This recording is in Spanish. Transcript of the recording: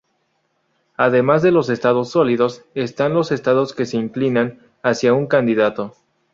Además de los estados "sólidos", están los estados que se "inclinan" hacia un candidato.